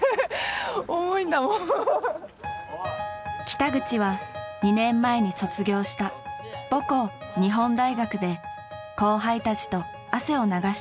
北口は２年前に卒業した母校日本大学で後輩たちと汗を流している。